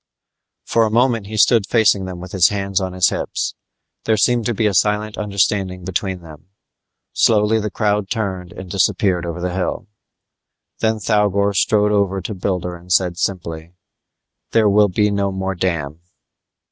For a moment he stood facing them with his hands on his hips. There seemed to be a silent understanding between them. Slowly the crowd turned and disappeared over the hill. Then Thougor strode over to Builder and said simply, "There will be no more dam."